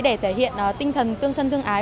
để thể hiện tinh thần tương thân tương ái